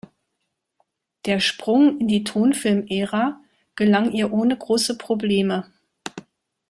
Der Sprung in die Tonfilmära gelang ihr ohne große Probleme.